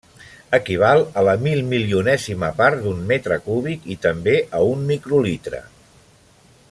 Equival a la milmilionèsima part d'un metre cúbic i també a un microlitre.